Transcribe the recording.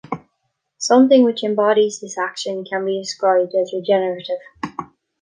Something which embodies this action can be described as regenerative.